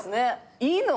いいの？